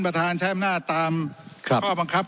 ขอประท้วงครับขอประท้วงครับขอประท้วงครับ